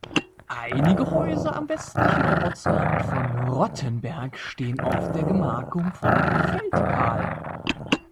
Einige Häuser am westlichen Ortsrand von Rottenberg stehen auf der Gemarkung von Feldkahl.